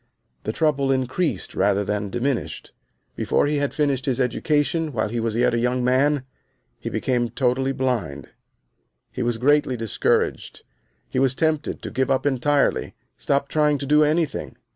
The trouble increased rather than diminished. Before he had finished his education, while he was yet a young man, he became totally blind. He was greatly discouraged. He was tempted to give up entirely, stop trying to do anything.